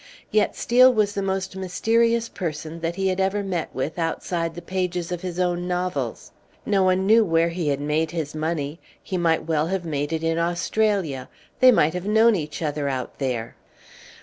Yet Steel was the most mysterious person that he had ever met with outside the pages of his own novels. No one knew where he had made his money. He might well have made it in Australia; they might have known each other out there.